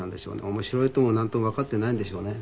面白いともなんともわかってないんでしょうね。